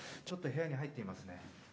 ちょっと部屋に入ってみますね。